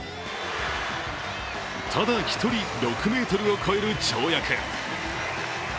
ただ１人、６ｍをこえる跳躍。